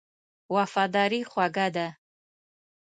وفاداري خوږه ده.